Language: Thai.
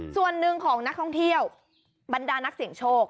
ส่วนหนึ่งของนักท่องเที่ยวบรรดานักเสี่ยงโชค